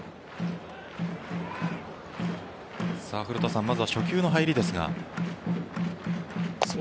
古田さん、まずは初球の入りですが。